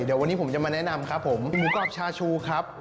เดี๋ยววันนี้ผมจะมาแนะนำครับผมหมูกรอบชาชูครับ